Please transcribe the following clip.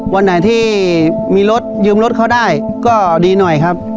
วันไหนที่มีรถยืมรถเขาได้ก็ดีหน่อยครับ